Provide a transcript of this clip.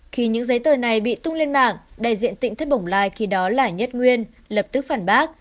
khi những giấy tờ này bị tung lên mạng đại diện tỉnh thất bồng lai khi đó là nhất nguyên lập tức phản bác